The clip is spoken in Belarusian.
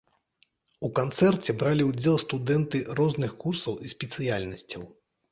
У канцэрце бралі ўдзел студэнты розных курсаў і спецыяльнасцяў.